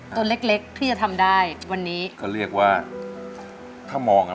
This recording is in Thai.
ตัวเล็กเล็กที่จะทำได้วันนี้ก็เรียกว่าถ้ามองอ่ะ